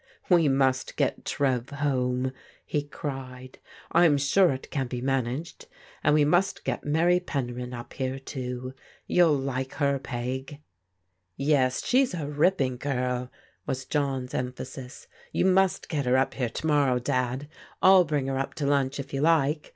We must get Trev home !" he cried. " I*m sure it can be managed — and we must get Mary Penryn up here, too. You'll like her. Peg." "Yes, she's a ripping girl," was John's emphasis. " You must get her up here to morrow. Dad. I'll bring her up to lunch if you like.